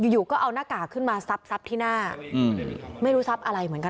อยู่ก็เอาหน้ากากขึ้นมาซับที่หน้าไม่รู้ทรัพย์อะไรเหมือนกัน